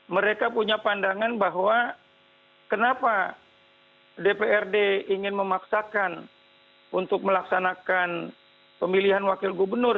mereka punya pandangan bahwa kenapa dprd ingin memaksakan untuk melaksanakan pemilihan wakil gubernur